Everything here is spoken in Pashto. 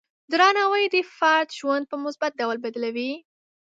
درناوی د فرد ژوند په مثبت ډول بدلوي.